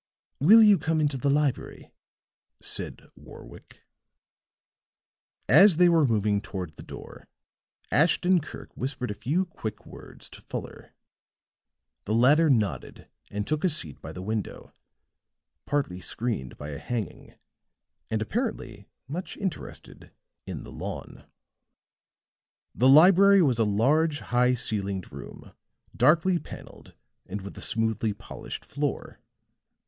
"Will you come into the library?" said Warwick. As they were moving toward the door, Ashton Kirk whispered a few quick words to Fuller; the latter nodded and took a seat by the window, partly screened by a hanging and apparently much interested in the lawn. The library was a large, high ceilinged room, darkly paneled and with a smoothly polished floor.